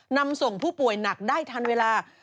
นำส่งผู้ป่วยหนักได้ทันเวลา